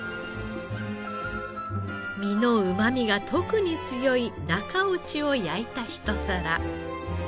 身のうまみが特に強い中落ちを焼いた一皿。